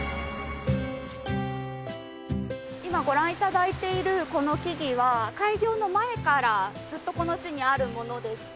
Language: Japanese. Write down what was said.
今ご覧頂いているこの木々は開業の前からずっとこの地にあるものでして。